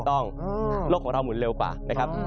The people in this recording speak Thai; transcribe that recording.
ต้องโลกของเรามุนเร็วป่ะนะครับ